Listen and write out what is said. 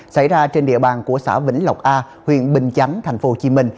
xảy ra trên địa bàn của xã vĩnh lộc a huyện bình chánh tp hcm